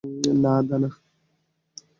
না, ধানা।